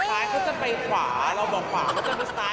ซ้ายเขาจะไปขวาเราบอกขวาเขาจะไปซ้าย